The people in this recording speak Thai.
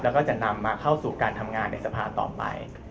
แล้วก็จะนำมาเข้าสู่การทำงานในสภาต่อไป